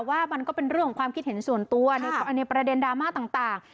ว่ามันก็เป็นเรื่องของความคิดเห็นส่วนตัวในประเด็นดราม่าต่าง